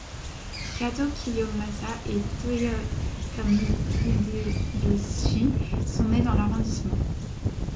Katō Kiyomasa et Toyotomi Hideyoshi sont nés dans l'arrondissement.